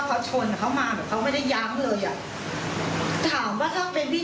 คือเขาชนแล้วแบบเขามาเขาคือคือเราเห็นสองคนพี่น้องเนี่ย